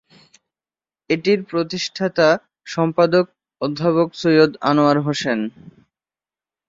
এটির প্রতিষ্ঠাতা সম্পাদক অধ্যাপক সৈয়দ আনোয়ার হোসেন।